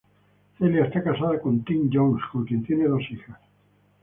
Celia está casada con Tim Jones con quien tiene dos hijas.